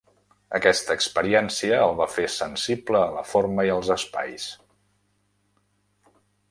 Aquesta experiència el va fer sensible a la forma i als espais.